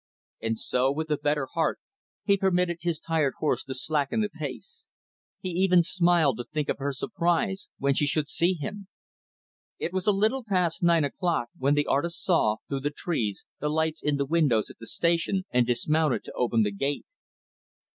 And so, with a better heart, he permitted his tired horse to slacken the pace. He even smiled to think of her surprise when she should see him. It was a little past nine o'clock when the artist saw, through the trees, the lights in the windows at the Station, and dismounted to open the gate.